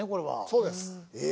そうです。